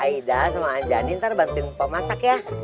aida sama anjadin ntar bantuin poh masak ya